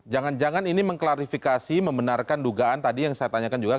jangan jangan ini mengklarifikasi membenarkan dugaan tadi yang saya tanyakan juga